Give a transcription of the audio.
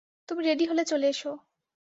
তুমি রেডি হলে চলে এসো।